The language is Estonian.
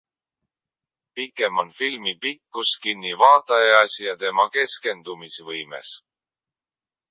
Pigem on filmi pikkus kinni vaatajas ja tema keskendumisvõimes.